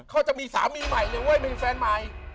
เขาจะมีสามีใหม่เลยเว้ยเป็นแฟนใหม่